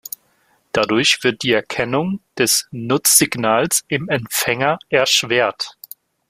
Dadurch wird die Erkennung des Nutzsignals im Empfänger erschwert.